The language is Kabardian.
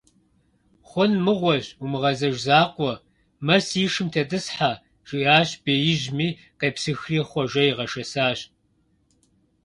Хъун мыгъуэщ, умыгъэзэж закъуэ, мэ си шым тетӀысхьэ, - жиӀэщ беижьми, къепсыхри Хъуэжэ игъэшэсащ.